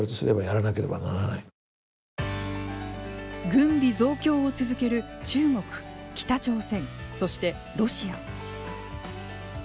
軍備増強を続ける中国北朝鮮、そしてロシア。